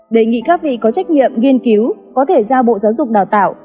đề nghị các vị có trách nhiệm nghiên cứu có thể ra bộ giáo dục đào tạo